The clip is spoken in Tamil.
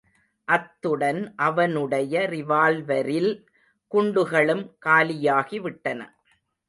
அத்துடன் அவனுடைய ரிவால்வரில் குண்டுகளும் காலியாகிவிட்டன.